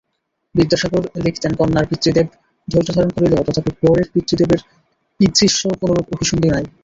বিদ্যাসাগর লিখতেনকন্যার পিতৃদেব ধৈর্যধারণ করিলেও তথাপি বরের পিতৃদেবের ঈদৃশ্য কোনোরূপ অভিসন্ধি নাই।